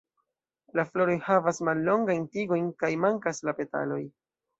La floroj havas mallongajn tigojn kaj mankas la petaloj.